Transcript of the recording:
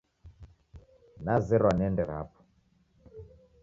Nazerwa niende rapo